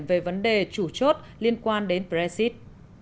về vấn đề chủ chốt liên quan đến brexit